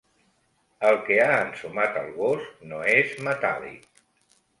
El que ha ensumat el gos no és metàl·lic.